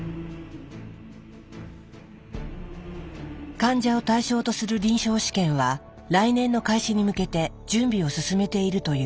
患者を対象とする臨床試験は来年の開始に向けて準備を進めているという。